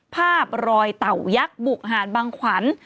ภาพรอยเต่ายักษ์บุกหาดบางขวัญ